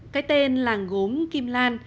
cái tên làng gốm kim lan